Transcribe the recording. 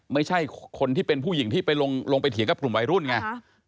ไม่ใช่คนที่เป็นผู้หญิงที่ไปลงไปเถียงกับกลุ่มวัยรุ่นไง